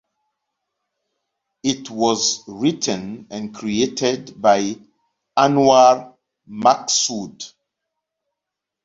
It was written and created by Anwar Maqsood.